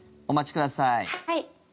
お待ちください。